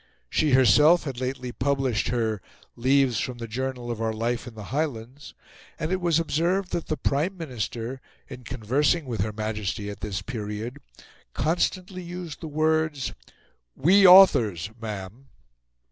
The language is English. She herself had lately published her "Leaves from the Journal of our Life in the Highlands," and it was observed that the Prime Minister, in conversing with Her Majesty at this period, constantly used the words "we authors, ma'am."